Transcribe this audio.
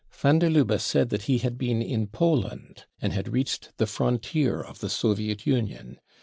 Van der Lubbe said that he had been in Poland and had reached the frontier of the Soviet Union.